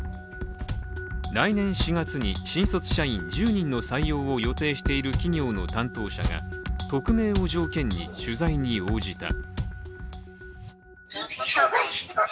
来年４月に新卒社員１０人の採用を予定している企業の担当者が、匿名を条件に取材に応じた。